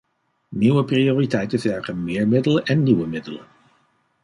Nieuwe prioriteiten vergen meer middelen en nieuwe middelen.